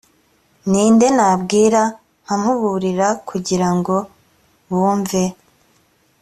ni nde nabwira nkamuburira kugira ngo bumve